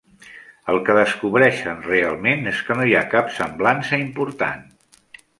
El que descobreixen realment és que no hi ha cap semblança important.